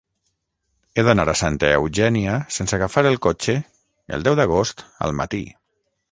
He d'anar a Santa Eugènia sense agafar el cotxe el deu d'agost al matí.